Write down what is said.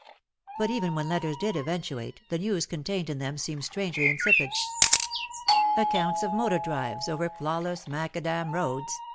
But even when letters did eventuate, the news contained in them seemed strangely insipid. Accounts of motor drives over flaw less macadam roads